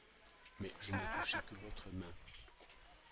Mais je n’ai touché que votre main.